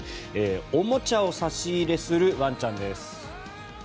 おもちゃを差し入れするワンちゃんです。